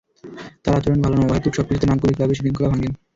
তাঁর আচরণ ভালো নয়, অহেতুক সবকিছুতে নাক গলিয়ে ক্লাবে শৃঙ্খলা ভাঙেন।